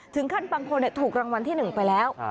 ถึงขั้นบางคนถูกรางวัลที่๑ไปแล้ว